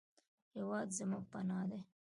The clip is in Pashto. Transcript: هېواد زموږ پناه دی